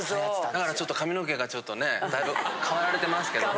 だからちょっと髪の毛がちょっとねだいぶ変わられてますけど。